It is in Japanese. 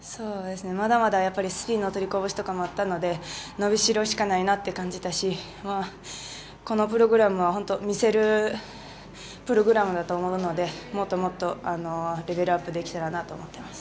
まだまだスピンの取りこぼしとかあったので伸びしろしかないと感じたしこのプログラムは魅せるプログラムだと思うのでもっともっとレベルアップできたらなと思っています。